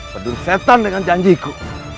pedul setan dengan janjiku